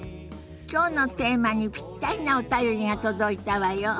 きょうのテーマにぴったりなお便りが届いたわよ。